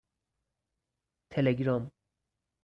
تلگرام